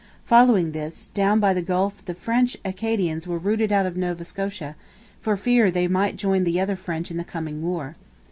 Following this, down by the Gulf the French Acadians were rooted out of Nova Scotia, for fear that they might join the other French in the coming war.